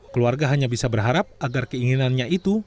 keluarga hanya bisa berharap agar keinginannya itu